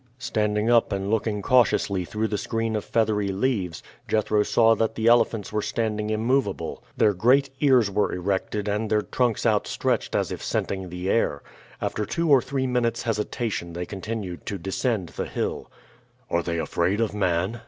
Standing up and looking cautiously through the screen of feathery leaves, Jethro saw that the elephants were standing immovable. Their great ears were erected and their trunks outstretched as if scenting the air. After two or three minutes hesitation they continued to descend the hill. "Are they afraid of man?"